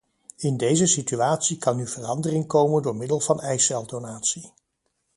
In deze situatie kan nu verandering komen door middel van eiceldonatie.